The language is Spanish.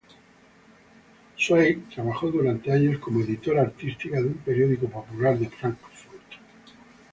Zweig trabajó durante años como editora artística de un periódico popular de Frankfurt.